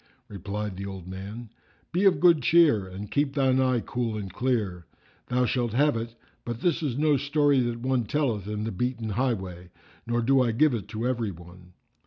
Replied the old man, "Be of good cheer and keep thine eye cool and clear: thou shalt have it; but this is no story that one telleth in the beaten highway, nor do I give it to every one."